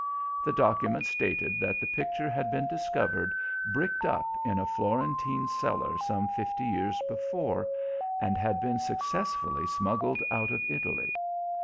The document stated that the picture had been discovered bricked up in a Florentine cellar some fifty years before and had been successfully smuggled out of Italy.